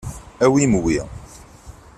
Awim wi.